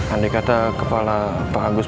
andai kata kepala pak agus